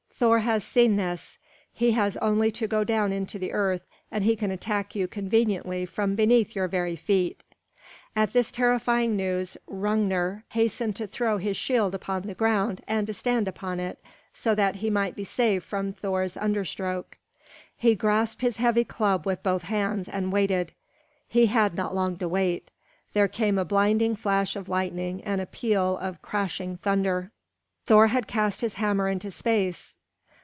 Thor has seen this. He has only to go down into the earth and he can attack you conveniently from beneath your very feet." At this terrifying news Hrungnir hastened to throw his shield upon the ground and to stand upon it, so that he might be safe from Thor's under stroke. He grasped his heavy club with both hands and waited. He had not long to wait. There came a blinding flash of lightning and a peal of crashing thunder. Thor had cast his hammer into space.